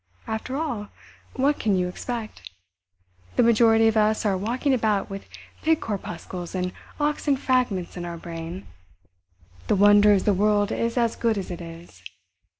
After all, what can you expect? The majority of us are walking about with pig corpuscles and oxen fragments in our brain. The wonder is the world is as good as it is.